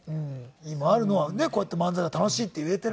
今あるのはねっこうやって漫才が楽しいって言えているのは。